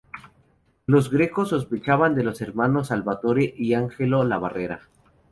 Los Greco sospechaban de los hermanos Salvatore y Angelo La Barbera.